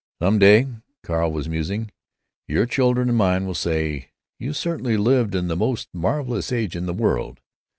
"Some day," Carl was musing, "your children and mine will say, 'You certainly lived in the most marvelous age in the world.'